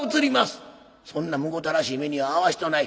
そんなむごたらしい目には遭わしとない。